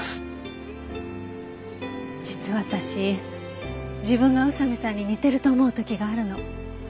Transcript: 実は私自分が宇佐見さんに似てると思う時があるの。